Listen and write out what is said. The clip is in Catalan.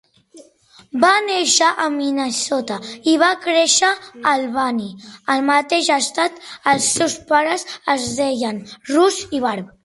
Va néixer a Minnesota i va créixer a Albany, al mateix estat. Els seus pares es deien Russ i Barb.